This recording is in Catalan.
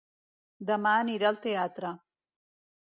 Demà anirà al teatre.